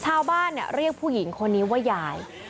ชาวบ้านเรียกผู้หญิงคนนี้ว่ายาย